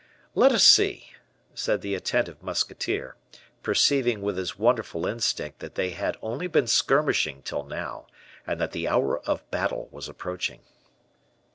"Let us see," said the attentive musketeer; perceiving with his wonderful instinct that they had only been skirmishing till now, and that the hour of battle was approaching.